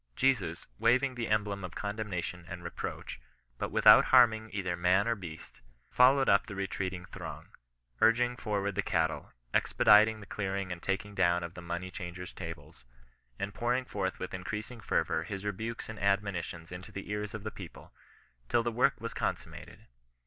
Jesus, waving the em blem of condemnation and reproach, but without harm ing either man or beast, followed up the retreating throng, urging forward the cattle, expediting the clearing and taking down of the money changers' tables, and pouring forth with increasing fervour his rebukes and admonitions into the ears of the people, till the work was consum mated.